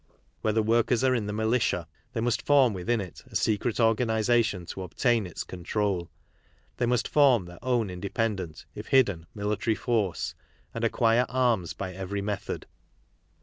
Where the workers are in the militia, they must form within it a secret organization to obtain its control. They must form their own independent, if hidden, military force and acquire arms by every method.